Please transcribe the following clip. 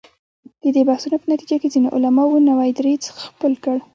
د دې بحثونو په نتیجه کې ځینو علماوو نوی دریځ خپل کړ.